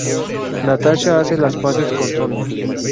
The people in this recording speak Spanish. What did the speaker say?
Natasha hace las paces con Sonia.